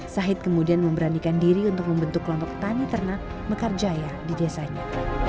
sahid kemudian memberanikan diri untuk membentuk kelompok tani ternak mekarjaya di desanya